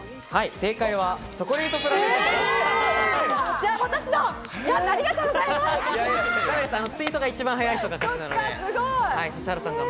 正解はチョコレートプラネットさんです。